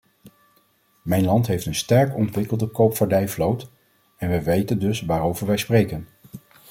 Mijn land heeft een sterk ontwikkelde koopvaardijvloot en wij weten dus waarover wij spreken.